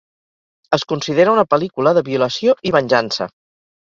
Es considera una pel·lícula de violació i venjança.